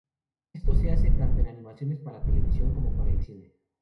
Esto se hace tanto en animaciones para televisión como para el cine.